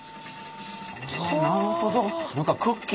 なるほど。